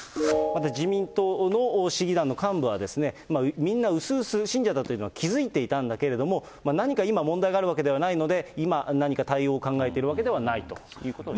自民党の市議団の幹部は、みんな薄々、信者だというのは気付いていたんだけれども、何か今問題があるわけではないので、今何か対応を考えているわけではないということを。